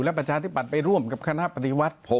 และประชาธิบัติไปร่วมกับคณะปฏิวัติ